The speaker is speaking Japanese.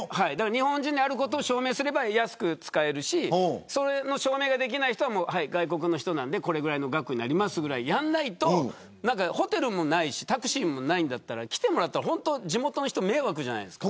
日本人であることを証明すれば安く使えるし証明ができなければ外国の人なんでこれぐらいになりますというのをやらないとホテルもないしタクシーもないんだったら来てもらった地元の人迷惑じゃないですか。